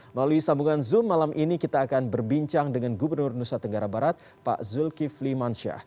melalui sambungan zoom malam ini kita akan berbincang dengan gubernur nusa tenggara barat pak zulkifli mansyah